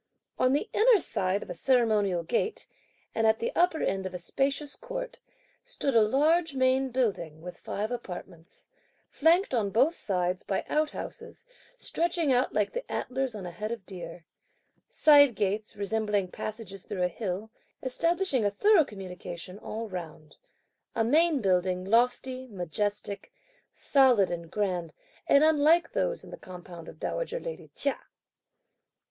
On the inner side of a ceremonial gate, and at the upper end of a spacious court, stood a large main building, with five apartments, flanked on both sides by out houses (stretching out) like the antlers on the head of deer; side gates, resembling passages through a hill, establishing a thorough communication all round; (a main building) lofty, majestic, solid and grand, and unlike those in the compound of dowager lady Chia.